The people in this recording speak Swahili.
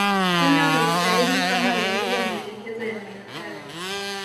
kwenda hospitalini kama yalivyo maelekezo ya madaktari